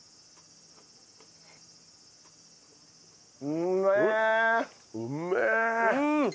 うまい！